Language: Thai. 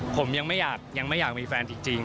ผมยังไม่อยากยังไม่อยากมีแฟนจริง